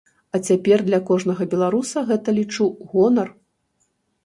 А цяпер для кожнага беларуса гэта, лічу, гонар!